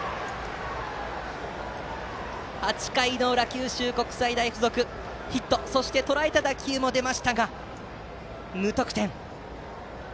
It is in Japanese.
８回の裏、九州国際大付属ヒット、そしてとらえた打球もありましたが無得点。